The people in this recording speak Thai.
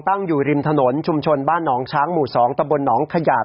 ตั้งอยู่ริมถนนชุมชนบ้านหนองช้างหมู่๒ตะบลหนองขยาด